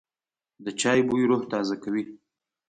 د چای بوی روح تازه کوي.